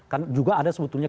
kan juga ada sebetulnya